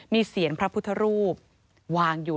มีเสียงพระพุทธรูปวางอยู่